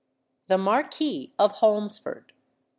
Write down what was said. THE MARQUIS OF HOLMESFORD.